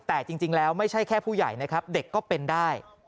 แต่จริงแล้วไม่ใช่แค่ผู้ใหญ่นะครับเด็กก็เป็นได้